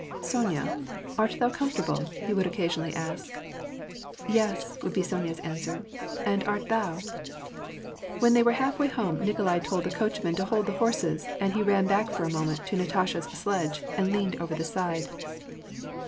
" Sonya, art thou comfortable ?" he would occasionally ask. " Yes," would be Sonya's answer. " And art thou ?" When they were half way home Nikolai told the coachman to hold the horses, and he ran back for a moment, to Natasha's sledge, and leaned over the side.